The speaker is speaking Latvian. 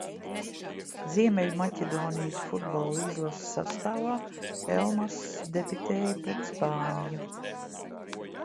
Ziemeļmaķedonijas futbola izlases sastāvā Elmass debitēja pret Spāniju.